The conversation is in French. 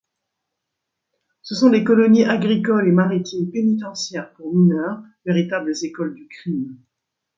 Ce sont les colonies agricoles et maritimes pénitentiaires pour mineurs, véritables écoles du crime.